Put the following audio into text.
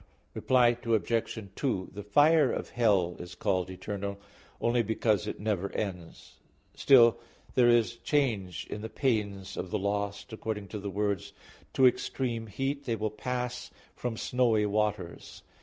Reply Obj. 2: The fire of hell is called eternal, only because it never ends. Still, there is change in the pains of the lost, according to the words "To extreme heat they will pass from snowy waters" (Job 24:19).